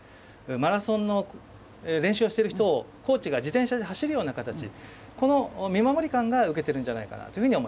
マラソンの練習をしている人をコーチが自転車で走るような形、この見守り感が受けているんじゃな